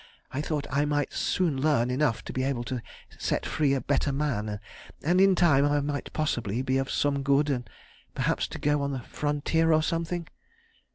I thought I might soon learn enough to be able to set free a better man, and, in time, I might possibly be of some good—and perhaps go to the Frontier or something.